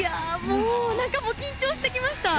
なんか緊張してきました。